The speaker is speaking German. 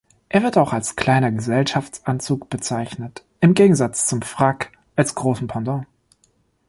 Er wird auch als kleiner Gesellschaftsanzug bezeichnet im Gegensatz zum Frack als großem Pendant.